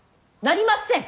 なりません！